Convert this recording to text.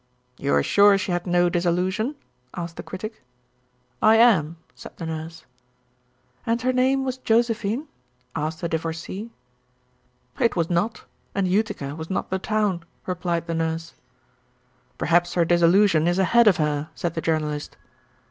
"You are sure she had no disillusion?" asked the Critic. "I am," said the Nurse. "And her name was Josephine?" asked the Divorcée. "It was not, and Utica was not the town," replied the Nurse. "Perhaps her disillusion is ahead of her," said the Journalist.